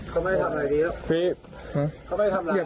ก็ไม่ได้ทำหลาย